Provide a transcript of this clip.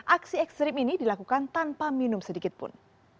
aksi ekstrim ini dilakukan tanpa minum sedikit pun